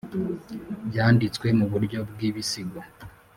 Byanditswe mu buryo bw ibisigo